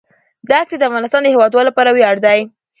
دښتې د افغانستان د هیوادوالو لپاره ویاړ دی.